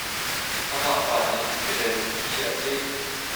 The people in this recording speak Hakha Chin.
Amah pa nih kedan a khiah tih?